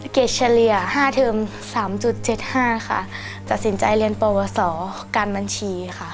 เกรดเฉลี่ย๕เทอม๓๗๕ค่ะตัดสินใจเรียนปวสอการบัญชีค่ะ